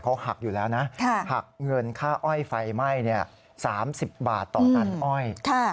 เขาหักอยู่แล้วนะค่ะหักเงินค่าอ้อยไฟไหม้เนี่ยสามสิบบาทตอนนั้นอ้อย